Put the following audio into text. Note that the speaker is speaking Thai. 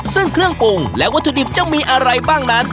ซึ่งเครื่องปรุงและวัตถุดิบจะมีอะไรบ้างนั้น